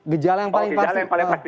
gejala yang paling pasti